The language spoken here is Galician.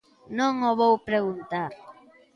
Non o vou preguntar.